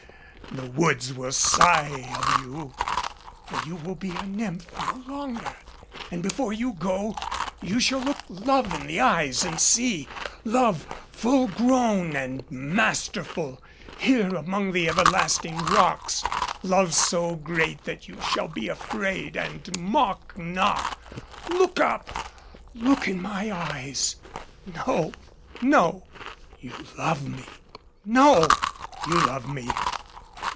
The woods will sigh of you, for you will be a nymph no longer. But before you go you shall look love in the eyes and see love full grown and masterful here among the everlasting rocks love so great that you shall be afraid and mock not. Look up. Look in my eyes " "No! No!" "You love me." "No!" "You love me."